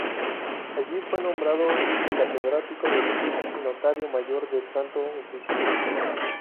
Allí fue nombrado catedrático de Leyes y Notario Mayor del Santo Oficio.